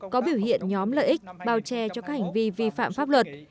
có biểu hiện nhóm lợi ích bao che cho các hành vi vi phạm pháp luật